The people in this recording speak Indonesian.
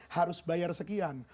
harus bayar sekian